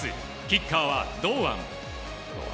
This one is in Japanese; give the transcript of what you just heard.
キッカーは堂安。